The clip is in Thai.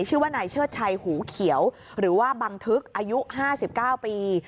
ชื่อว่าในเชิดชัยหูเขียวหรือว่าบังทึกอายุห้าสิบเก้าปี